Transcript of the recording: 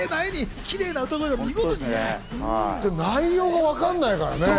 内容がわかんないからね。